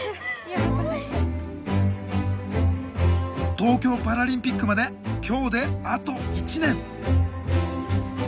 東京パラリンピックまで今日であと１年。